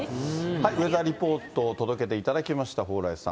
ウェザーリポートを届けていただきました、蓬莱さん。